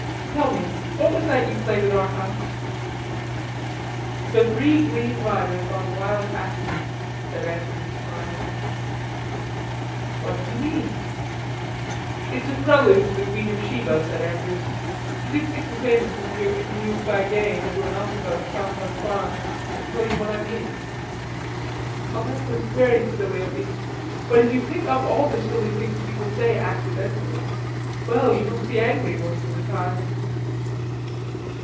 "Tell me, what was that you played at our house?" "'The Three Green Riders on Wild Asses,'" said Andrews smiling. "What do you mean?" "It's a prelude to the 'Queen of Sheba,'" said Andrews. "If you didn't think the same as M. Emile Faguet and everyone else about St. Antoine, I'd tell you what I mean." "That was very silly of me.... But if you pick up all the silly things people say accidentally... well, you must be angry most of the time."